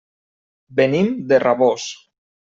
Venim de Rabós.